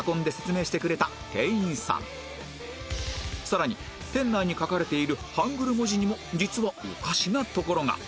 さらに店内に書かれているハングル文字にも実はおかしなところが